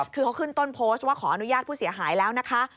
คือเขาขึ้นต้นโพสต์ว่าขออนุญาตผู้เสียหายแล้วนะคะ